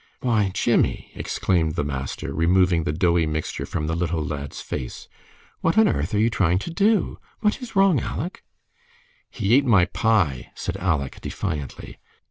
"Why, Jimmie!" exclaimed the master, removing the doughy mixture from the little lad's face, "what on earth are you trying to do? What is wrong, Aleck?" "He ate my pie," said Aleck, defiantly.